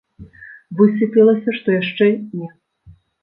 Высветлілася, што яшчэ не.